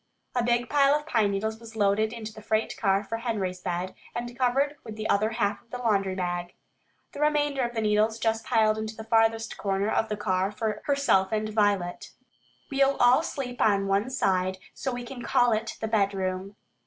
A big pile of pine needles was loaded into the freight car for Henry's bed, and covered with the other half of the laundry bag. The remainder of the needles Jess piled into the farthest corner of the car for herself and Violet. "We'll all sleep on one side, so we can call it the bedroom."